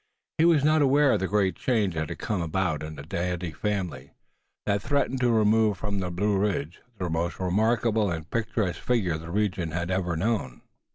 He was not aware of the great change that had come about in the Dady family, that threatened to remove from the Blue Ridge the most remarkable and picturesque figure the region had ever known.